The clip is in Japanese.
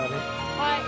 はい！